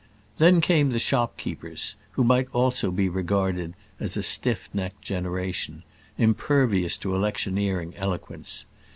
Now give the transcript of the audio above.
Then came the shopkeepers, who might also be regarded as a stiff necked generation, impervious to electioneering eloquence.